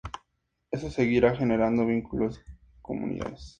Eso seguirá generando vínculos, comunidades…""